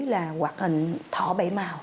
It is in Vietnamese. là hoạt hình thỏ bảy màu